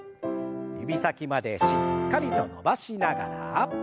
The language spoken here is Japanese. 指先までしっかりと伸ばしながら。